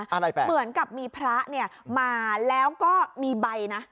อะไรแปลกเหมือนกับมีพระเนี่ยมาแล้วก็มีใบนะ